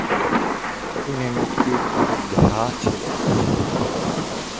তিনি মুক্তিযুদ্ধা ছিলেন।